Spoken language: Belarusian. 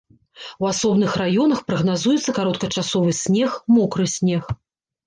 У асобных раёнах прагназуецца кароткачасовы снег, мокры снег.